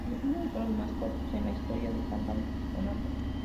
Aquellos reinados son los más cortos en la historia del campeonato.